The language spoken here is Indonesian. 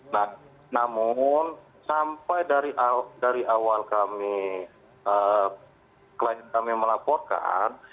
nah namun sampai dari awal kami melaporkan